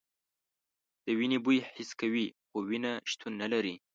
د وینې بوی حس کوي خو وینه شتون نه لري.